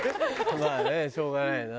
まあねしょうがないよな。